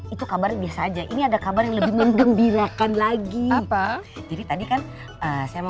itu kabarnya biasa aja ini ada kabar yang lebih mengembirakan lagi jadi tadi kan saya mau